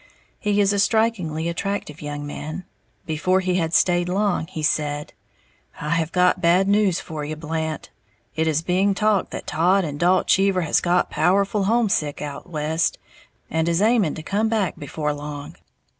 He is a strikingly attractive young man. Before he had stayed long, he said, "I have got bad news for you, Blant, it is being talked that Todd and Dalt Cheever has got powerful homesick out west, and is aiming to come back before long.